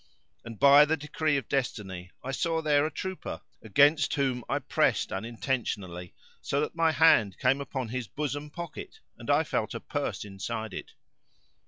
And by the decree of Destiny I saw there a trooper against whom I pressed unintentionally, so that my hand came upon his bosom pocket and I felt a purse inside it.